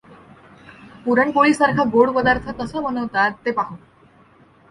पुरण पोळी सारखा गोड पदार्थ कसा बनवतात ते पाहू